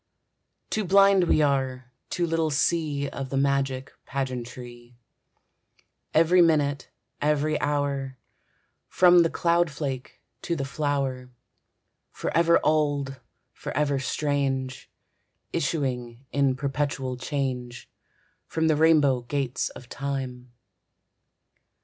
Too blind we are, too little see Of the magic pageantry, Every minute, every hour, From the cloudflake to the flower, Forever old, forever strange, Issuing in perpetual change From the rainbow gates of Time.